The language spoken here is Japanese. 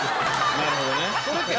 なるほどね。